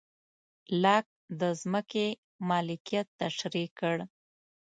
لاک د ځمکې مالکیت تشرېح کړ.